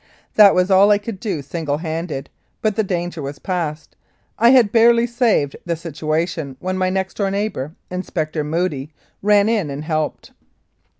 That was all I could do single handed, but the danger was past. I had barely saved the situation when my next door neighbour, Inspector Moodie, ran in and helped.